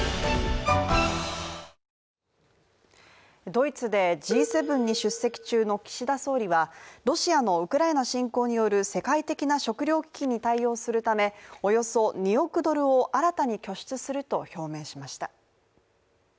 ドイツでＧ７に出席中の岸田総理はロシアのウクライナ侵攻による世界的な食料危機に対応するためおよそ２億ドルを新たに拠出すると表明しました。